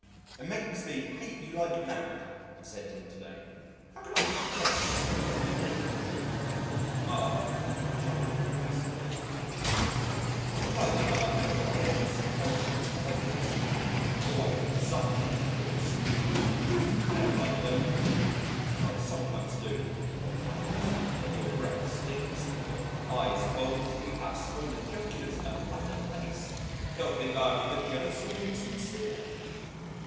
"It makes me hate you like mad," I said to him to day. "How can I confront these people with the naked truth?" R chuckled complacently. "If I deny your alleged supremacy, as I did this morning, or if suddenly, in a fit of spleen, I'm induced to declare that I loathe you (as I sometimes do)" (more chuckles) "that your breath stinks, your eyes bulge, that you have swollen jugulars and a platter face: they will think I am either jealous or insincere....